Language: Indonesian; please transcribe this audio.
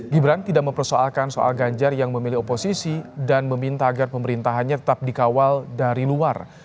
gibran tidak mempersoalkan soal ganjar yang memilih oposisi dan meminta agar pemerintahannya tetap dikawal dari luar